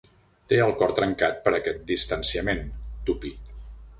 Té el cor trencat per aquest distanciament, Tuppy.